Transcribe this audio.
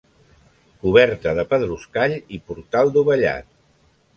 Coberta de pedruscall i portal dovellat.